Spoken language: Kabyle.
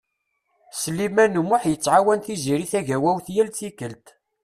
Sliman U Muḥ yettɛawan Tiziri Tagawawt yal tikkelt.